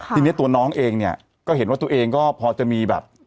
ทีนี้ตัวน้องเองเนี่ยก็เห็นว่าตัวเองก็พอจะมีแบบ